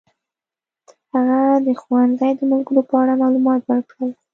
هغه د خوړنځای د ملګرو په اړه معلومات ورکړل.